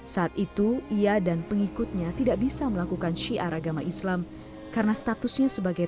saat itu ia dan pengikutnya tidak bisa melakukan syiar agama islam karena statusnya sebagai